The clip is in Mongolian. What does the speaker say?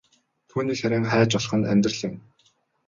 Түүнийг харин хайж олох нь амьдрал юм.